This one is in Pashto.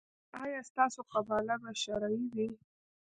ایا ستاسو قباله به شرعي وي؟